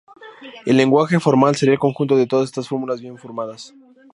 El lenguaje formal sería el conjunto de todas esas fórmulas bien formadas.